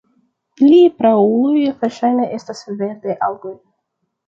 Iliaj prauloj verŝajne estas verdaj algoj.